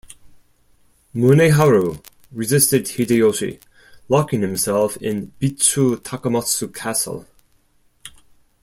Muneharu resisted Hideyoshi, locking himself in Bitchu Takamatsu Castle.